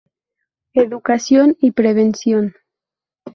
Educación y prevención.